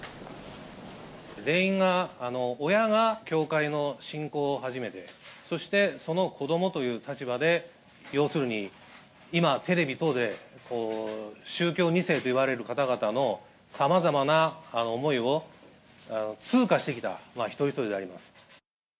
全員が、親が教会の信仰を始めて、そしてその子どもという立場で、要するに今、テレビ等で宗教２世といわれる方々の、さまざまな思いを通過してきた一人一人であります。